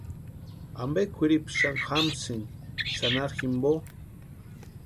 ¿Ampe kwʼiripu xani jamasïnki xanharu jimpo?